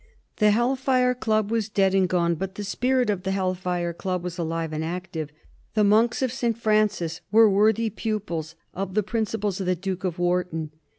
The Hell Fire Club was dead and gone, but the spirit of the Hell Fire Club was alive and active. The monks of St. Francis were worthy pupils of the principles of the Duke of Wharton.